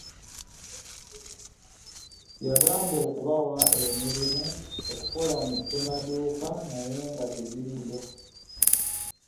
Yabagamba okubawa emirimu okukola mu ssemaduuka naye nga tegiriiyo.